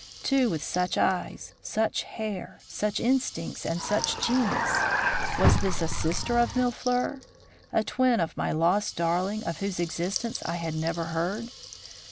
Two with such eyes, such hair, such instincts, and such genius? Was this a sister of Mille fleurs; a twin of my lost darling, of whose existence I had never heard?